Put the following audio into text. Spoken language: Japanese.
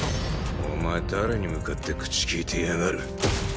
お前誰に向かって口利いてやがる。